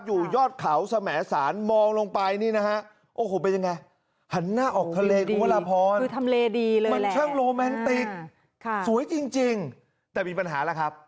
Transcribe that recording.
อยู่ยอดเขาสมแสนมองลงไปนี่นะฮะ